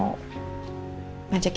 aku juga udah masakin